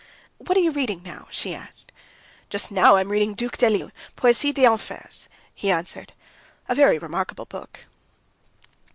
"What are you reading now?" she asked. "Just now I'm reading Duc de Lille, Poésie des Enfers," he answered. "A very remarkable book."